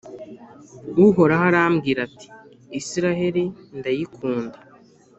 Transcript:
uhoraho arambwira ati «israheli, ndayikunda